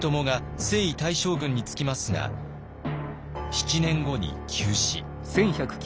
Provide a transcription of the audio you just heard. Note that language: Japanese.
７年後に急死。